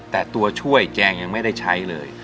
แต่ตัวช่วยแจงยังไม่ได้ใช้เลย